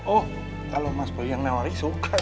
oh kalau mas budi yang nawari suka